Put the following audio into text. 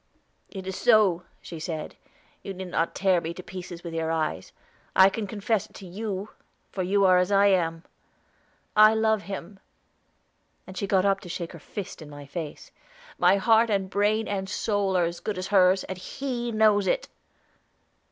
"It is so," she said; "you need not tear me to pieces with your eyes, I can confess it to you, for you are as I am. I love him!" And she got up to shake her fist in my face. "My heart and brain and soul are as good as hers, and he knows it."